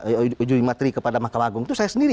yudhimatri kepada mahkamah agung itu saya sendiri